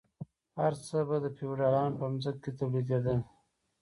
هر څه به د فیوډالانو په ځمکو کې تولیدیدل.